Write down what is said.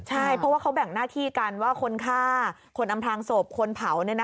ใช่เพราะว่าเขาแบ่งหน้าที่กันว่าคนฆ่าคนอำพลางศพคนเผา